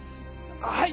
はい！